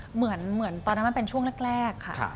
เหมือนตอนนั้นมันเป็นช่วงแรกค่ะ